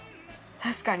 確かに。